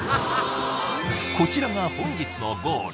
こちらが本日のゴール